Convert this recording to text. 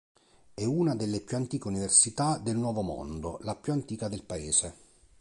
È una delle più antiche università del nuovo mondo, la più antica del paese.